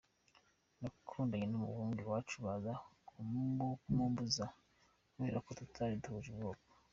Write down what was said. Nakundanye n’umuhungu, iwacu baza kumumbuza kubera ko tutari duhuje ubwoko.